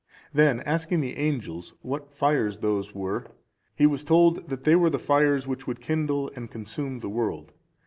Then asking the angels, what fires those were, he was told, they were the fires which would kindle and consume the world.